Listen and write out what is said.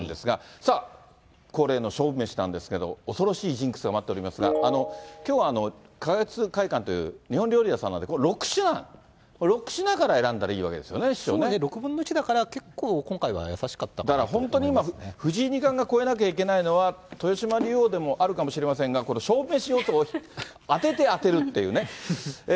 さあ、恒例の勝負メシなんですけれども、恐ろしいジンクスが待っておりますが、きょうは花月会館という日本料理屋さんなんで、これ６品、６品から選んだらいいわけですよね、６分の１だから今回はやさしだから本当に今、藤井二冠が超えなきゃいけないのは、豊島竜王ではあるかもしれませんが、これ、勝負メシ予想を当てて当てるっていうね。